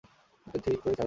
এটা ঠিক করেই ছাড়বো।